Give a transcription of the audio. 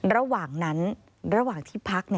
ระหว่างที่พัก